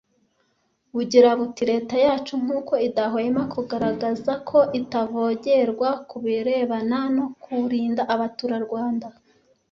Bugira buti “Leta yacu nkuko idahwema kugaragagaza ko itavogerwa ku birebana no kurinda abaturarwanda